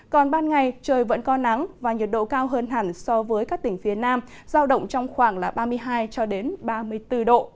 còn ban ngày trời vẫn có nắng và nhiệt độ cao hơn hẳn so với các tỉnh phía nam giao động trong khoảng ba mươi hai ba mươi bốn độ